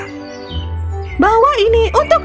pery membawakan ke primrose sebuah kue yang tampak seperti mutiara